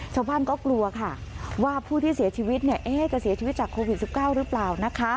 ชาวบ้านก็กลัวค่ะว่าผู้ที่เสียชีวิตจะเสียชีวิตจากโควิด๑๙หรือเปล่านะคะ